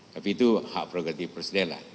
tapi itu hak progresif presidenlah